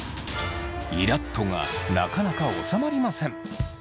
「イラっと」がなかなか収まりません。